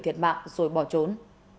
bị thiệt mạng rồi bỏ trốn